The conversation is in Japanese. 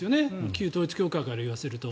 旧統一教会から言わせると。